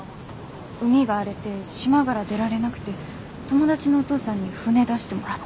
海が荒れて島がら出られなくて友達のお父さんに船出してもらって。